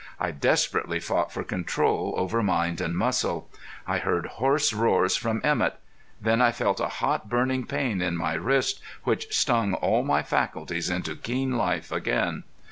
I desperately fought for control over mind and muscle. I heard hoarse roars from Emett. Then I felt a hot, burning pain in my wrist, which stung all my faculties into keen life again.